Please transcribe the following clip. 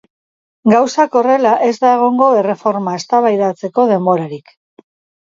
Gauzak horrela, ez da egongo erreforma eztabaidatzeko denborarik.